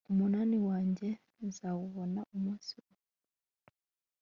umunani wanjye; nzawubona umunsi umwe